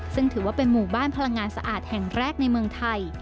ซึ่งถือว่าเป็นหมู่บ้านพลังงานสะอาดแห่งแรกในเมืองไทย